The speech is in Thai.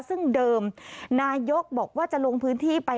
ซึ่งเดิมนายกบอกว่าจะลงพื้นที่ไป